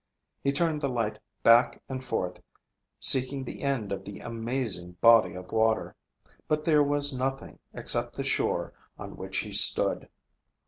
He turned the light back and forth, seeking the end of the amazing body of water. But there was nothing except the shore on which he stood.